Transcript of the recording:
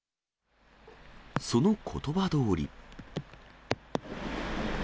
そのことばどおり。